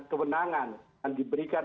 kebenangan yang diberikan